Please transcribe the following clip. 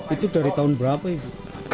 itu dari tahun berapa ibu